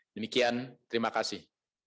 demikian terima kasih